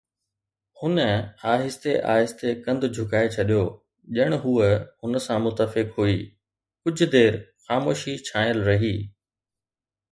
هن آهستي آهستي ڪنڌ جهڪائي ڇڏيو. ڄڻ هوءَ هن سان متفق هئي. ڪجهه دير خاموشي ڇانيل رهي